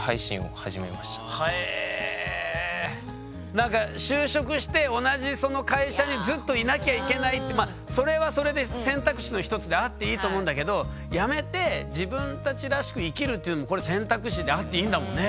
何か就職して同じその会社にずっといなきゃいけないってまあそれはそれで選択肢の一つであっていいと思うんだけど辞めて自分たちらしく生きるっていうのもこれ選択肢であっていいんだもんね。